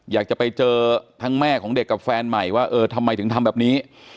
อยากจะไปเจอทั้งแม่ของเด็กกับแฟนใหม่ว่าเออทำไมถึงทำแบบนี้